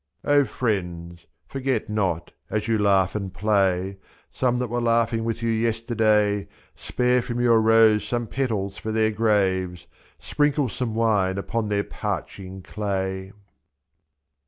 O friends, forget not, as you laugh and play. Some that were laughing with you yesterday, 1^7, Spare from your rose some petals for their graves. Sprinkle some wine upon their parching clay.